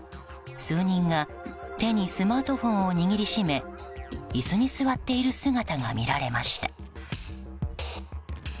数人が手にスマートフォンを握りしめ椅子に座っている姿が見られました。